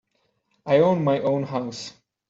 I own my own house.